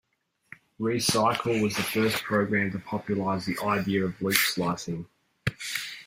ReCycle was the first program to popularize the idea of loop slicing.